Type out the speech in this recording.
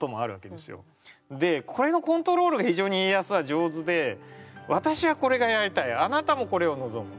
でこれのコントロールが非常に家康は上手で私はこれがやりたいあなたもこれを望む。